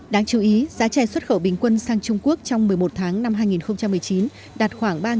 đáng chú ý giá chè xuất khẩu bình quân sang trung quốc trong một mươi một tháng năm hai nghìn một mươi chín đạt khoảng ba mươi